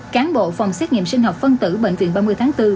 cán bộ phòng xét nghiệm sinh học phân tử bệnh viện ba mươi tháng bốn